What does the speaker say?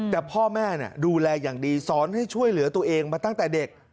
แต่พ่อแม่ดูแลอย่างดีสอนให้ช่วยเหลือตัวเองมาตั้งแต่เด็ก